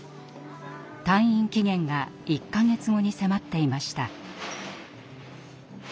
退院期限が１か月後に迫っていました。